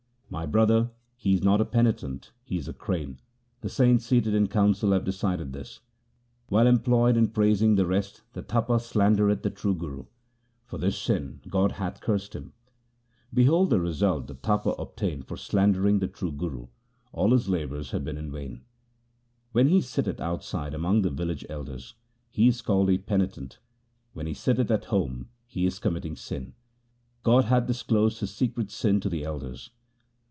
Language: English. My brother, he is not a penitent ; he is a crane ; the saints seated in council have decided this. While employed in praising the rest the Tapa slandereth the true Guru ; for this sin God hath cursed him. H 2 ioo THE SIKH RELIGION Behold the result the Tapa obtained for slandering the true Guru — all his labours have been in vain. When he sitteth outside among the village elders he is called a penitent ; when he sitteth at home he is committing sin ; God hath disclosed his secret sin to the elders.